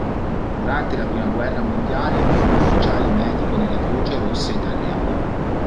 Durante la prima guerra mondiale fu ufficiale medico nella Croce Rossa Italiana.